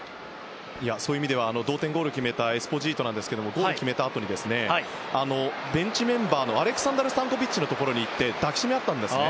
そういう意味では同点ゴールを決めたエスポジートなんですがゴールを決めたあとにベンチメンバーのアレクサンダル・スタンコビッチのところに行って抱きしめ合ったんですね。